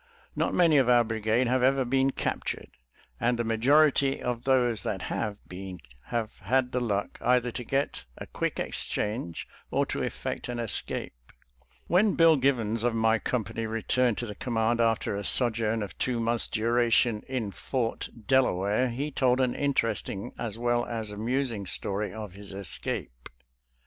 «♦«»• Not many of our brigade have ever been cap tured, and the majority of those that have been havp.had the luck either to. get a quick exchange SOME "ESCAPE" STORIES 199 or to effect an escape. When Bill Givens of my company, returned to the command after a sojourn of two months' duration in Fort Dela ware, he told an interesting as well as amusing story of this escape.